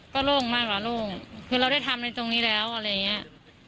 ก็โล่งมากกว่าโล่งคือเราได้ทำในตรงนี้แล้วอะไรอย่างเงี้ย